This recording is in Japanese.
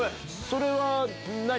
それは何？